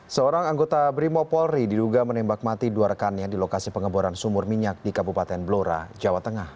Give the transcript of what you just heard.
seorang anggota brimo polri diduga menembak mati dua rekannya di lokasi pengeboran sumur minyak di kabupaten blora jawa tengah